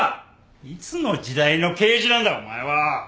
いつの時代の刑事なんだお前は！